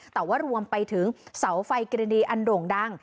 แต่ว่ารวมไปถึงเสาไฟกรณีอันโด่งดัง